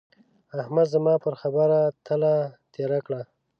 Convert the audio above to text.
احمد زما پر خبره تله تېره کړه.